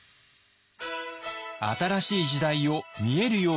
新しい時代を見えるようにする。